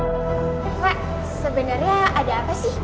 wah sebenernya ada apa sih